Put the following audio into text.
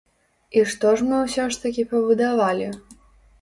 І што ж мы ўсё ж такі пабудавалі?